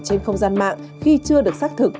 trên không gian mạng khi chưa được xác thực